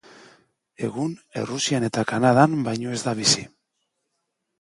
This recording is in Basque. Egun Errusian eta Kanadan baino ez da bizi.